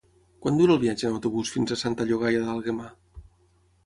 Quant dura el viatge en autobús fins a Santa Llogaia d'Àlguema?